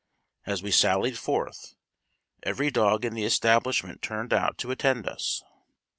As we sallied forth, every dog in the establishment turned out to attend us.